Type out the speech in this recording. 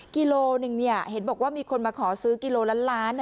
กิโลหนึ่งเห็นบอกว่ามีคนมาขอซื้อกิโลล้านล้าน